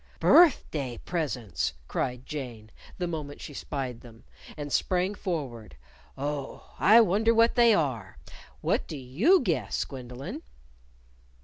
"Birthday presents!" cried Jane, the moment she spied them; and sprang forward. "Oh, I wonder what they are! What do you guess, Gwendolyn?"